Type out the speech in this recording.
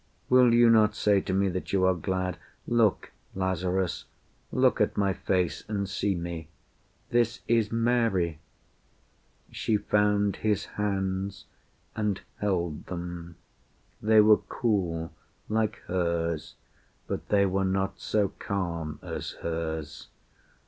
Will you not say To me that you are glad? Look, Lazarus! Look at my face, and see me. This is Mary." She found his hands and held them. They were cool, Like hers, but they were not so calm as hers.